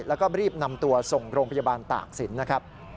แล้วก็รีบนำตัวส่งโรงพยาบาลตากศิลป์นะครับ